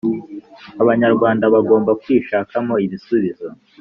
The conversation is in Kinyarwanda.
Abanyarwanda bagomba kwishakamo ibisubizo